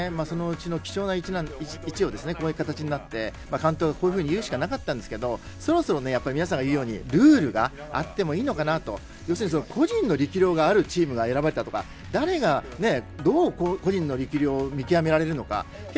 そのうちの貴重な１がこういう形になって監督は、こういうふうに言うしかなかったんですけどそもそも、皆さんが言うようにルールがあってもいいのかなと個人の力量があるチームが選ばれたとか誰が個人の力量を見極められるのか。